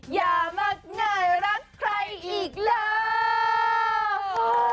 อย่ามักเหนื่อยรักใครอีกแล้ว